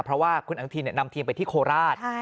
เพราะว่าคุณอนุทินนำทีมไปที่โคราช